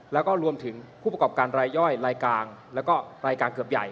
แล้วก็รวมถึงผู้ประกอบการรายย่อยรายกลางแล้วก็รายการเกือบใหญ่